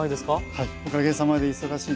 はい。